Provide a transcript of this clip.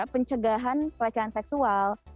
pencegahan pelecehan seksual